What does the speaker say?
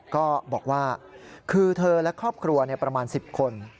ก็บอกว่าคือเธอและครอบครัวประมาณ๑๐คน